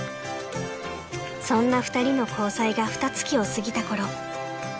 ［そんな２人の交際がふたつきを過ぎたころ